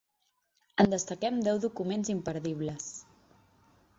En destaquem deu documents imperdibles.